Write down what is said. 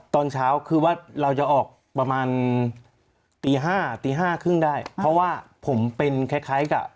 ตอนเช้าคือว่าเราจะออกประมาณตีห้าตีห้าครึ่งได้เพราะว่าผมเป็นคล้ายคล้ายกับ